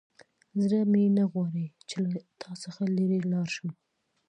زړه مې نه غواړي چې له تا څخه لیرې لاړ شم.